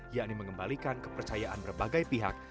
yakni mengembalikan kepercayaan berbagai pihak